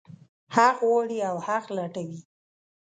حق غواړي او حق لټوي.